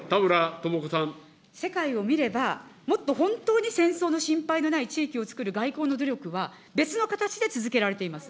世界を見れば、もっと本当に戦争の心配のない地域をつくる外交の努力は、別の形で続けられています。